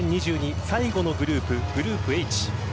最後のグループグループＨ。